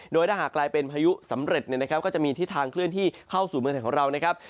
โดยถ้าหากกลายเป็นพายุสำเร็จเนี่ยนะครับก็จะมีทิศทางเคลื่อนที่เข้าสู่เมืองไทยของเรานะครับ